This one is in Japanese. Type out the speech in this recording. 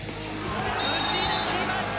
打ち抜きました。